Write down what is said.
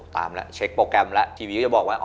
ตามละเช็คโปรแกรมละทีวีอย่าบอกว่า